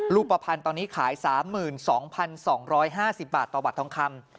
รูปภัณฑ์ตอนนี้ขาย๓๒๒๕๐บาทต่อบัตรทองคำ